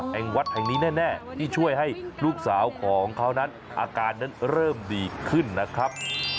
แห่งวัดแห่งนี้แน่ที่ช่วยให้ลูกสาวของเขานั้นอาการนั้นเริ่มดีขึ้นนะครับ